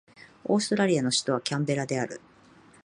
オーストラリアの首都はキャンベラである